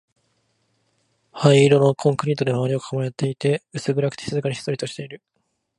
灰色のコンクリートで周りを囲まれていて、薄暗くて、静かで、ひっそりとしている